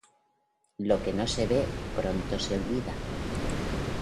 Lo que no se ve, pronto se olvida.